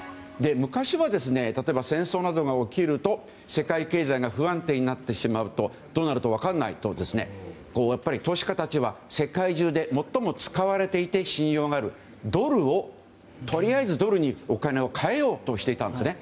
昔は例えば、戦争などが起きると世界経済が不安定になるとどうなるかわからないと投資家たちは世界中で最も使われていて信用があるとりあえずドルにお金を変えようとしていたんですね。